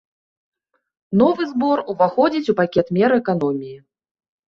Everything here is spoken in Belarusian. Новы збор ўваходзіць у пакет мер эканоміі.